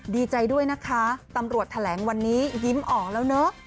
ดีใจด้วยนะคะตำรวจแถลงวันนี้ยิ้มออกแล้วเนอะ